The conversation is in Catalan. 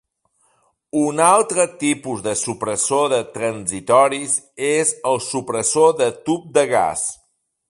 Un altre tipus de supressor de transitoris és el supressor de tub de gas.